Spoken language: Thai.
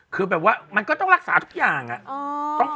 คือแบบว่ามันก็ต้องรักษาทุกอย่างอะ